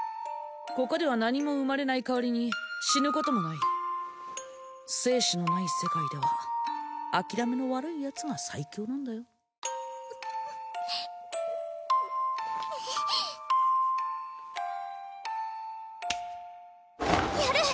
ここでは何も生まれない代わりに死ぬこともない生死のない世界では諦めの悪いやつが最強なんだよやる！